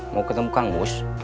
mau ketemu kang bus